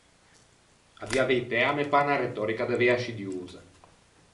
À dî a veitæ, a me pâ unna retòrica davei ascidiosa.